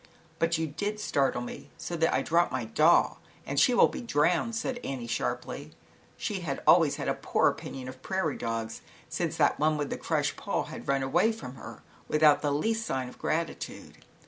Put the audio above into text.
"But, you did startle me, so that I dropped my doll and she will be drowned," said An nie, sharply. She had always had a poor opinion of prairie dogs since that one with the crushed paw had run away from her, without the least sign of gratitude.